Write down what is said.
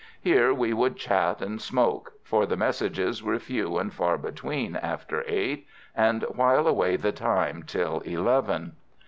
Here we would chat and smoke for the messages were few and far between after eight and while away the time till eleven.